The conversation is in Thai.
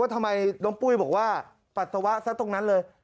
ทำไมน้องปุ้ยบอกว่าปัสสาวะซะตรงนั้นเลย